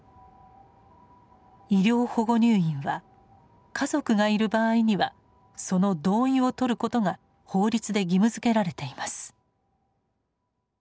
医療保護入院は家族がいる場合にはその同意をとることが法律で義務づけられています。